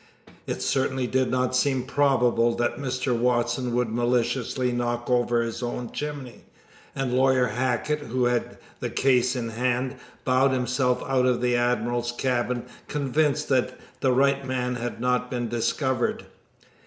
It certainly did not seem probable that Mr. Watson would maliciously knock over his own chimney, and Lawyer Hackett, who had the case in hand, 'bowed himself out of the Admiral's cabin convinced that the right man had not been discovered.